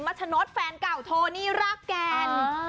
มาชนะจนแฟนเก่าโทนีรากแกน